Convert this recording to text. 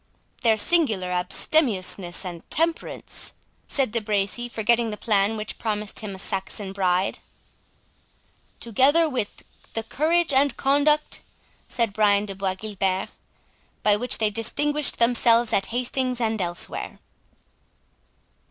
"Their singular abstemiousness and temperance," said De Bracy, forgetting the plan which promised him a Saxon bride. "Together with the courage and conduct," said Brian de Bois Guilbert, "by which they distinguished themselves at Hastings and elsewhere."